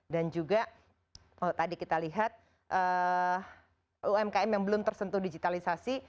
dan juga tadi kita lihat umkm yang belum tersentuh digitalisasi